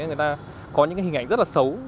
người ta có những hình ảnh rất là xấu